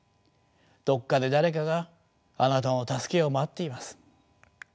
どこかで誰かがあなたの助けを待っています。